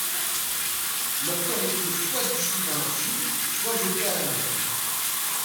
Leurs corps étaient soit dissous dans l'acide soit jetés à la mer.